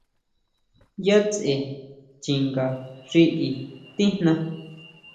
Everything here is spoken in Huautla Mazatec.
¿Yʼa tsʼe chinga xi i tijná?